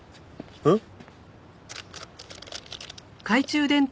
えっ？